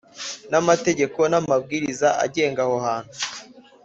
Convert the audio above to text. N amategeko n amabwiriza agenga aho hantu